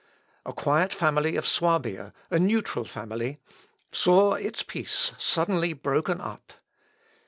A quiet family of Swabia, a neutral family, saw its peace suddenly broken up.